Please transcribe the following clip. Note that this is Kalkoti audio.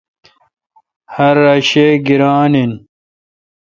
ہر اؘ شہ گیران این۔